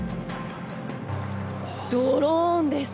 ドローンです。